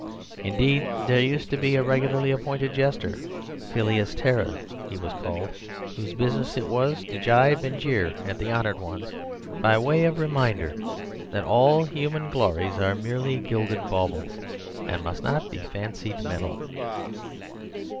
Indeed, there used to be a regularly appointed jester, 'Filius Terrae' he was called, whose business it was to gibe and jeer at the honoured ones by way of reminder that all human glories are merely gilded baubles and must not be fancied metal."